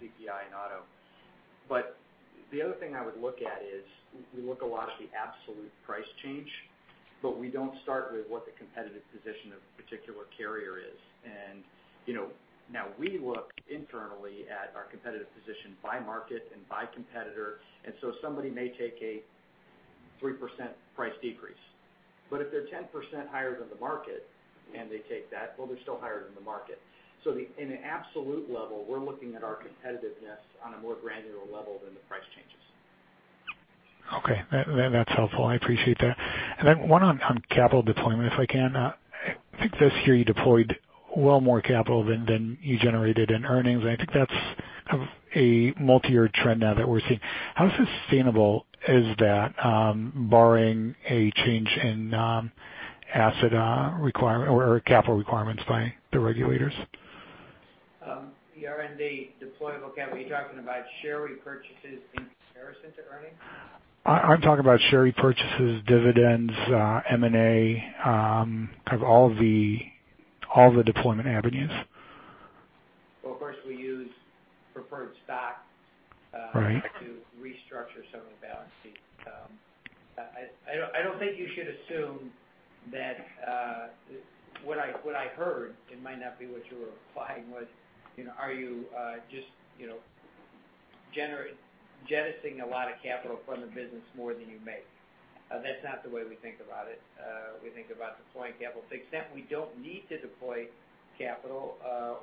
CPI in auto. The other thing I would look at is, we look a lot at the absolute price change, but we don't start with what the competitive position of a particular carrier is. Now we look internally at our competitive position by market and by competitor, and so somebody may take a 3% price decrease. If they're 10% higher than the market and they take that, well, they're still higher than the market. In an absolute level, we're looking at our competitiveness on a more granular level than the price changes. Okay. That's helpful. I appreciate that. Then one on capital deployment, if I can. I think this year you deployed well more capital than you generated in earnings, and I think that's a multi-year trend now that we're seeing. How sustainable is that, barring a change in asset requirement or capital requirements by the regulators? The R&D deployable capital, are you talking about share repurchases in comparison to earnings? I'm talking about share repurchases, dividends, M&A, all the deployment avenues. Well, of course, we use preferred stock. Right We use preferred stock to restructure some of the balance sheet. I don't think you should assume that what I heard, it might not be what you were implying was, are you just jettisoning a lot of capital from the business more than you make? That's not the way we think about it. We think about deploying capital to the extent we don't need to deploy capital,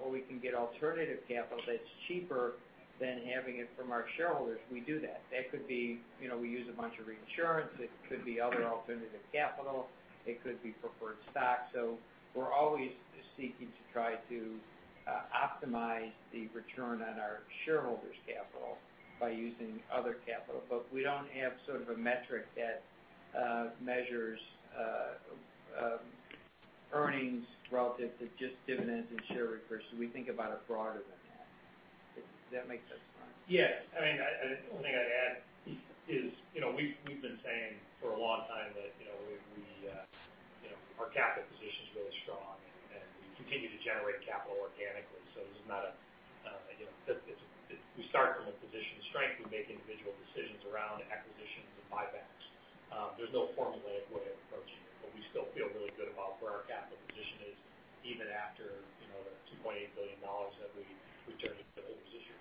or we can get alternative capital that's cheaper than having it from our shareholders, we do that. That could be, we use a bunch of reinsurance, it could be other alternative capital, it could be preferred stock. We're always seeking to try to optimize the return on our shareholders' capital by using other capital. We don't have sort of a metric that measures earnings relative to just dividends and share repurchase. We think about it broader than that. If that makes any sense. Yes. The only thing I'd add is, we've been saying for a long time that our capital position's really strong, and we continue to generate capital organically. We start from a position of strength. We make individual decisions around acquisitions and buybacks. There's no formulaic way of approaching it, we still feel really good about where our capital position is, even after the $2.8 billion that we returned to shareholders this year.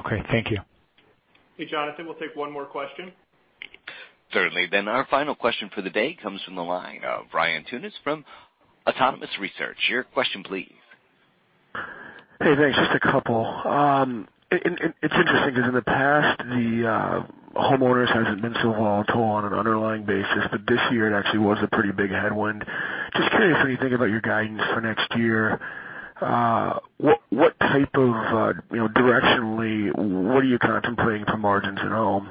Okay. Thank you. Hey, Jonathan, we'll take one more question. Certainly. Our final question for the day comes from the line of Brian Meredith from Autonomous Research. Your question please. Hey, thanks. Just a couple. It's interesting because in the past, the homeowners hasn't been so volatile on an underlying basis, but this year it actually was a pretty big headwind. Just curious, when you think about your guidance for next year, directionally, what are you contemplating for margins at home?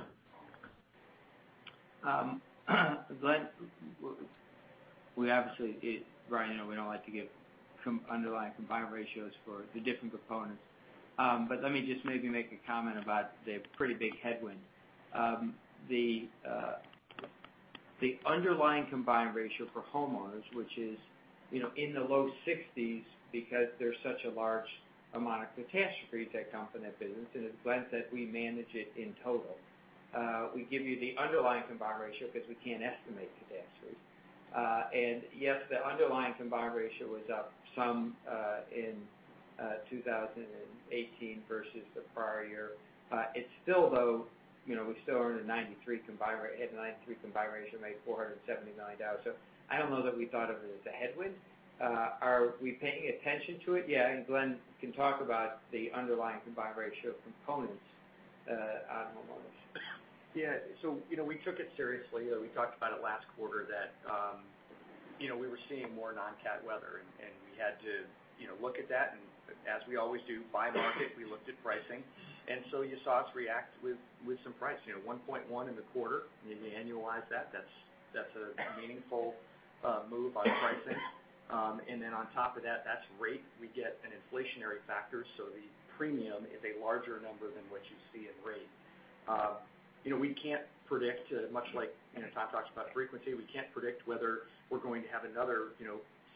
Brian, we don't like to give underlying combined ratios for the different components. Let me just maybe make a comment about the pretty big headwind. The underlying combined ratio for homeowners, which is in the low 60s because there's such a large amount of catastrophe that come from that business, and as Glenn said, we manage it in total. We give you the underlying combined ratio because we can't estimate catastrophe. Yes, the underlying combined ratio was up some in 2018 versus the prior year. It's still though, we still earn a 93 combined ratio, made $479. I don't know that we thought of it as a headwind. Are we paying attention to it? Glenn can talk about the underlying combined ratio of components on homeowners. We took it seriously. We talked about it last quarter that we were seeing more non-CAT weather, and we had to look at that. As we always do by market, we looked at pricing. You saw us react with some price, 1.1% in the quarter, when you annualize that's a meaningful move on pricing. On top of that's rate, we get an inflationary factor. The premium is a larger number than what you see in rate. We can't predict, much like Tom talks about frequency, we can't predict whether we're going to have another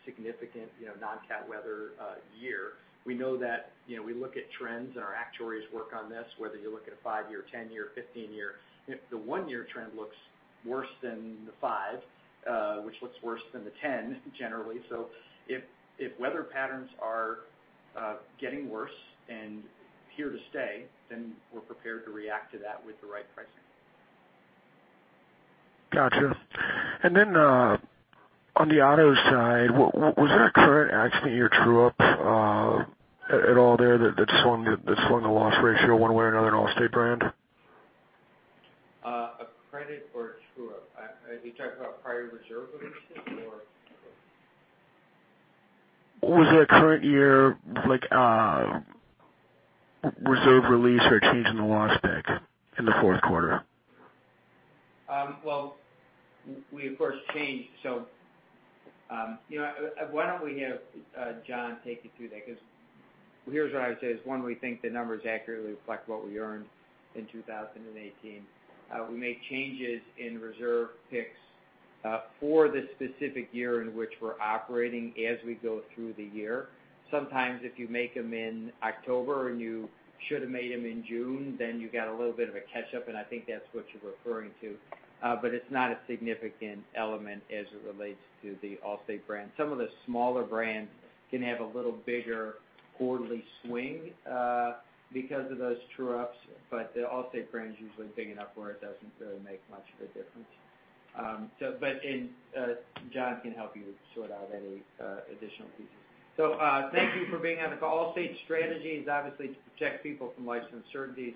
significant non-CAT weather year. We know that we look at trends, and our actuaries work on this, whether you look at a five year, 10 year, 15 year. If the one-year trend looks worse than the five, which looks worse than the 10, generally. If weather patterns are getting worse and here to stay, then we're prepared to react to that with the right pricing. Got you. On the autos side, was there a current accident year true-up at all there that swung the loss ratio one way or another in Allstate brand? A credit or a true-up? Are you talking about prior reserve releases or? Was there a current year, like a reserve release or a change in the loss pick in the fourth quarter? We of course changed. Why don't we have John take you through that. Here's what I would say, is one, we think the numbers accurately reflect what we earned in 2018. We make changes in reserve picks for the specific year in which we're operating as we go through the year. Sometimes if you make them in October and you should have made them in June, then you got a little bit of a catch-up, and I think that's what you're referring to. It's not a significant element as it relates to the Allstate brand. Some of the smaller brands can have a little bigger quarterly swing, because of those true-ups. The Allstate brand is usually big enough where it doesn't really make much of a difference. John can help you sort out any additional pieces. Thank you for being on the call. Allstate's strategy is obviously to protect people from life's uncertainties.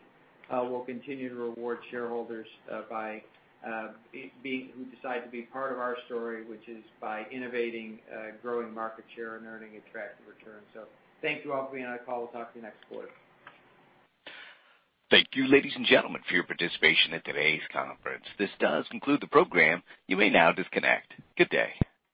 We'll continue to reward shareholders who decide to be part of our story, which is by innovating, growing market share and earning attractive returns. Thank you all for being on the call. We'll talk to you next quarter. Thank you, ladies and gentlemen, for your participation in today's conference. This does conclude the program. You may now disconnect. Good day.